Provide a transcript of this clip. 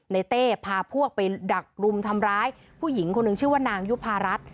เต้พาพวกไปดักรุมทำร้ายผู้หญิงคนหนึ่งชื่อว่านางยุภารัฐ